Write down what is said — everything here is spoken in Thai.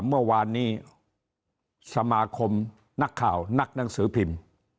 เมื่อวานนี้สมาคมนักข่าวนักหนังสือพิมพ์